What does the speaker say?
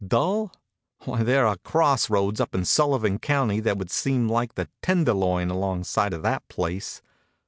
Dull? Why, there are crossroads up in Sullivan County that would seem like the Tenderloin alongside of that place.